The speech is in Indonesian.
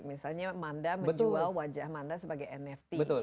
misalnya manda menjual wajah manda sebagai nft